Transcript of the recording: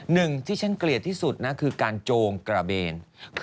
หนึ่งที่ฉันเกลียดที่สุดนะคือการโจงกระเบน